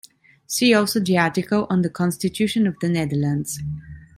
See also the article on the Constitution of the Netherlands.